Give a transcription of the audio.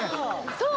そう！